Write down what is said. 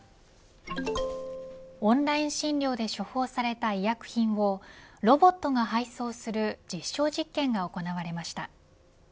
オンライン診療で処方された医薬品をロボットが配送する実証実験が行われました。